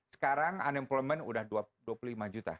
sekarang unemployment udah dua puluh lima juta